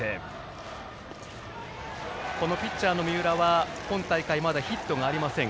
ピッチャーの三浦は今大会まだヒットがありません。